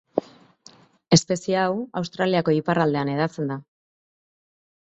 Espezie hau Australiako ipar aldean hedatzen da.